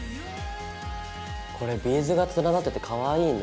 これビーズが連なっててかわいいね。